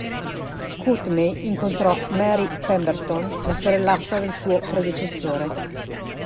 Courtney incontrò Merry Pemberton, la sorellastra del suo predecessore.